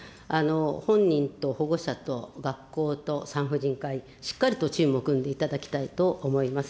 本人と保護者と学校と産婦人科医、しっかりとチームを組んでいただきたいと思います。